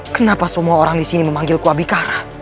kenapa semua orang disini memanggilku abikara